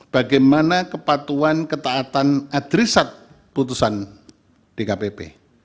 bagaimana kepatuan ketaatan adrisat putusan dkpp